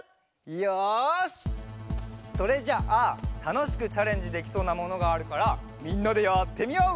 よしそれじゃあたのしくチャレンジできそうなものがあるからみんなでやってみよう！